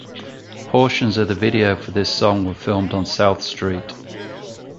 Portions of the video for this song were filmed on South Street.